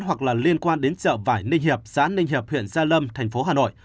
hoặc là liên quan đến chợ vải ninh hiệp xã ninh hiệp huyện gia lâm thành phố hà nội